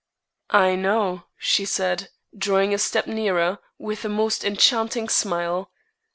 "I know," she said, drawing a step nearer, with a most enchanting smile.